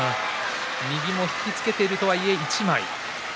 右を引き付けているとはいっても１枚。